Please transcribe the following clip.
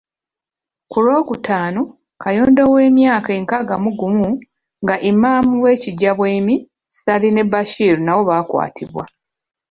Ku Lwokutaano, Kayondo ow'emyaka enkaaga mu gumu nga Imaam w'e Kijjabwemi, Ssali ne Bashir nabo baakwatibwa.